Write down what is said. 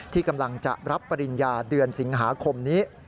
ที่กำลังจะรับปริญญาเดือนสิงหาคมนี้